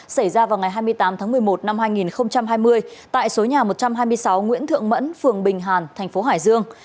xảy ra vào ngày hai mươi tám tháng một mươi một năm hai nghìn hai mươi tại số nhà một trăm hai mươi sáu nguyễn thượng mẫn phường bình hàn thành phố hải dương